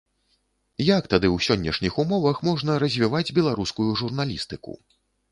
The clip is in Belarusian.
Як тады ў сённяшніх умовах можна развіваць беларускую журналістыку?